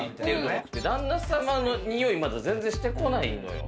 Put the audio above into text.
旦那様の匂いがまだ全然してこないのよ。